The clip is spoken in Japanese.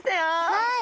はい！